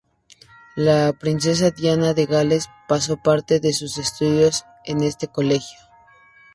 La princesa Diana de Gales pasó parte de sus estudios en este colegio.